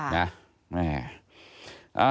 ค่ะ